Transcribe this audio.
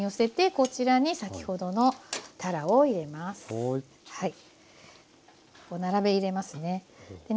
こう並べ入れますね。